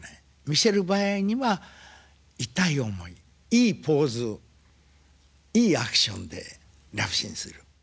見せる場合には痛い思いいいポーズいいアクションでラブシーンする。